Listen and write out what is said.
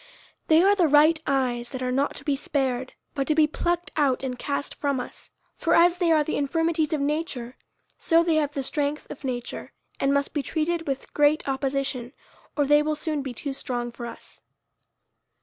They are the right eyes that are not to be spared, but to be plucked out and cast from us. For as they are the infirmities of nature, so they have the strength of nature, and must be treated with great opposition, or they will soon be too strong for us.